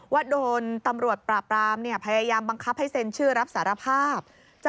ว่าโดนตำรวจปราบรามพยายามบังคับให้เซ็นชื่อรับสารภาพ